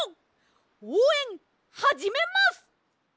おうえんはじめます！